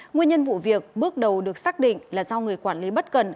nguyên nhân vụ việc bước đầu được xác định là do người quản lý bất cần